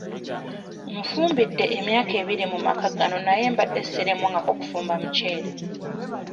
Nfumbidde emyaka ebiri mu maka gano naye mbadde siremwangako kufumba muceere.